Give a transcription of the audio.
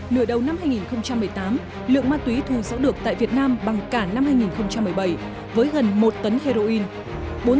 nửa đầu năm hai nghìn một mươi tám lượng ma túy thu giữ được tại việt nam bằng cả năm hai nghìn một mươi bảy với gần một tấn heroin